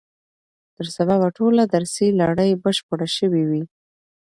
تر سبا به ټوله درسي لړۍ بشپړه سوې وي.